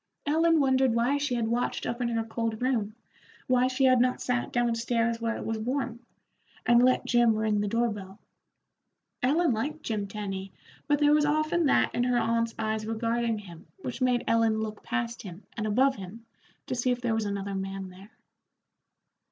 Ellen wondered why she had watched up in her cold room, why she had not sat down stairs where it was warm, and let Jim ring the door bell. Ellen liked Jim Tenny, but there was often that in her aunt's eyes regarding him which made Ellen look past him and above him to see if there was another man there.